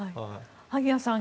萩谷さん